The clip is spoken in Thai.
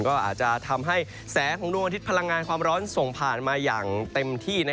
ก็อาจจะทำให้แสงของดวงอาทิตยพลังงานความร้อนส่งผ่านมาอย่างเต็มที่